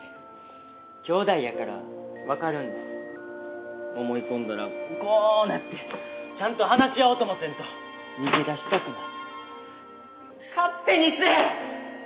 きょうだいやから分かるんです思い込んだらこうなってちゃんと話し合おうともせんと逃げ出したくなって勝手にせぇ！